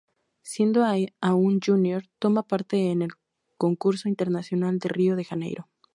Siendo aún junior, toma parte en el Concurso Internacional de Río de Janeiro.